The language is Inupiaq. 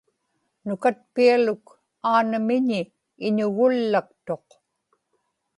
nukatpialuk aanamiñi iñugullaktuq